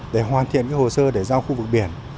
để hoàn thiện hồ sơ để giao khu vực biển